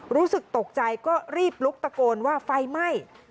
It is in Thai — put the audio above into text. รู้สึกตกใจก็รีบลุกตะโกนว่าไฟไหม้